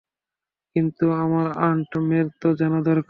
কিন্তু আমার আন্ট মের তো জানা দরকার।